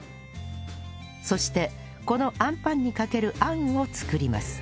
そしてこのアンパンにかけるあんを作ります